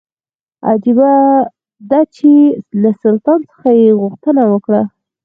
عجیبه دا چې له سلطان څخه یې غوښتنه وکړه.